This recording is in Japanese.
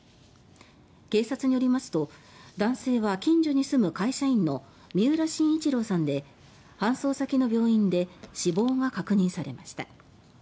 警察によりますと男性は近所に住む会社員の三浦伸一郎さんで搬送先の病院で死亡が確認されました。